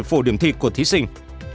phổ điểm thi của thí sinh